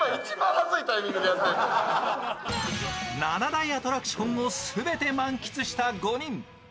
７大アトラクションを全て満喫した５人。